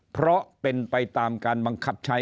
เพราะเป็นไปตามการบังคับใช้